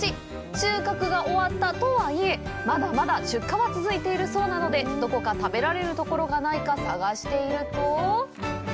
収穫が終わったとはいえ、まだまだ出荷は続いているそうなので、どこか食べられるところがないか探していると。